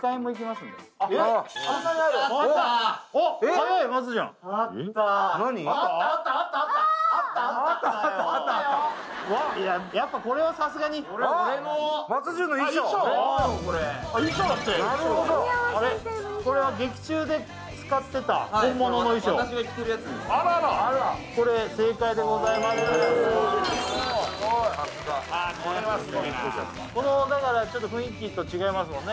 すごいさすがだからちょっと雰囲気と違いますもんね